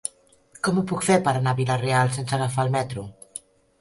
Com ho puc fer per anar a Vila-real sense agafar el metro?